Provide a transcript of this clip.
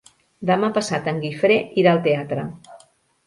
Demà passat en Guifré irà al teatre.